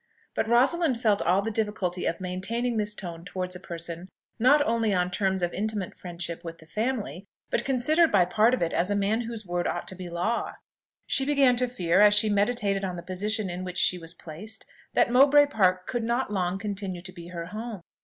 But Rosalind felt all the difficulty of maintaining this tone towards a person not only on terms of intimate friendship with the family, but considered by part of it as a man whose word ought to be law. She began to fear, as she meditated on the position in which she was placed, that Mowbray Park could not long continue to be her home.